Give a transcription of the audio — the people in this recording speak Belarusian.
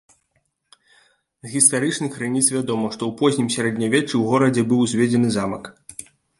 З гістарычных крыніц вядома, што ў познім сярэднявеччы ў горадзе быў узведзены замак.